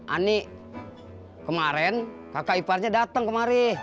anik kemaren kakak iparnya dateng kemari